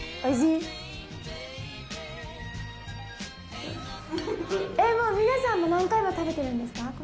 えっもう皆さんも何回も食べてるんですか？